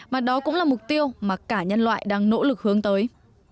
mà đó cũng là mục tiêu mà cả nhân loại đang nỗ lực hướng tới